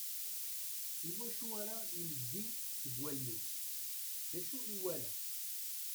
I wacu ara ileddi deg wallen-is? D ucu i yewala?